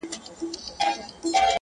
د دود وهلي ښار سپېڅلي خلگ لا ژونـدي دي،